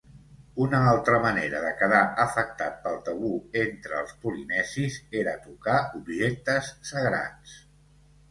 Una altra manera de quedar afectat pel tabú entre els polinesis era tocar objectes sagrats.